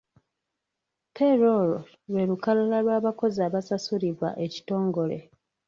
Payroll lwe lukalala lw'abakozi abasasulibwa ekitongole.